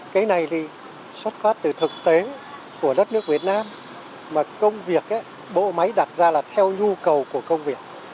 cái này thì xuất phát từ thực tế của đất nước việt nam mà công việc bộ máy đặt ra là theo nhu cầu của công việc